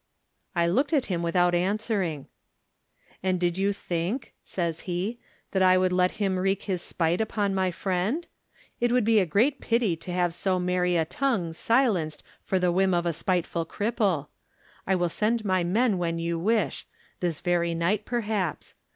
I looked at him without answering. "And did you think," says he, "that I would let him wreak his spite upon my 64 Digitized by Google THE NINTH MAN friend? It would be a great pity to have so merry a tongue silenced for the whim of a spiteful cripple. I will send my men when you wish — this very night, perhaps.